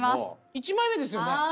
１枚目ですよね？